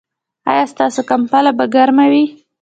ایا ستاسو کمپله به ګرمه وي؟